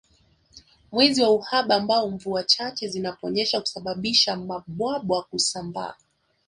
Mwezi wa uhaba ambao mvua chache zinaponyesha husababisha mabwawa kusambaa